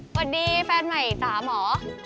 สวัสดีแฟนใหม่อีกสามเหรอ